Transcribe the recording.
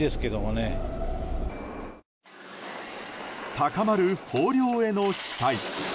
高まる豊漁への期待。